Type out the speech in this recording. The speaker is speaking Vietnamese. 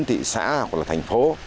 thị xã hoặc là thành phố